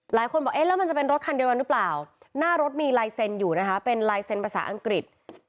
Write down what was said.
หลายคนบอกเอ๊ะแล้วมันจะเป็นรถคันเดียวกันหรือเปล่าหน้ารถมีลายเซ็นต์อยู่นะคะเป็นลายเซ็นต์ภาษาอังกฤษ